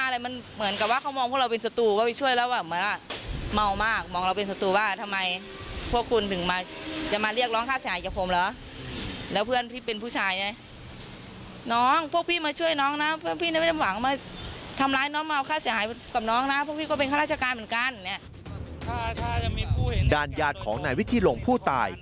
ดาริยาทของหน้าวิธีร่วงผู้ตาย